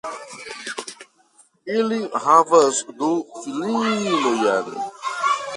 Ili havas du filinojn.